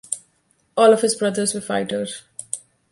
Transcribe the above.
All of his brothers were fighters.